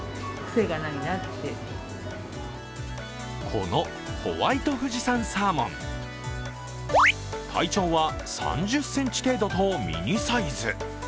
このホワイト富士山サーモン、体長は３０ｃｍ程度とミニサイズ。